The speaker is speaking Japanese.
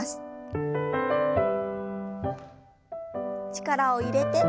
力を入れて。